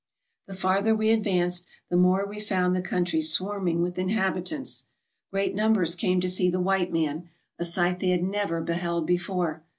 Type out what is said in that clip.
The farther we advanced, the more we found the coun try swarming with inhabitants. Great numbers came to see the white man, a sight they had never beheld before.